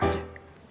boleh salaman gak